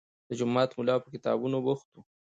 د جومات ملا په کتابونو بوخت و.